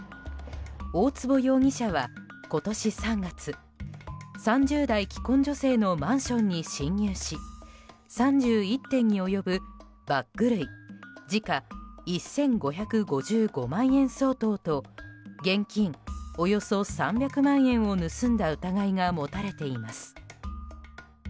大坪容疑者は今年３月３０代既婚女性のマンションに侵入し３１点に及ぶバッグ類時価１５５５万円相当と現金およそ３００万円を盗んだ疑いが持たれています。